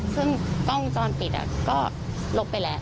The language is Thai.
ซึ่งกล้องวงจรปิดก็ลบไปแล้ว